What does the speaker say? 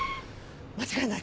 間違いない。